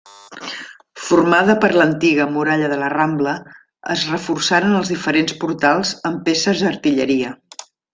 Formada per l'antiga muralla de la Rambla, es reforçaren els diferents portals amb peces d'artilleria.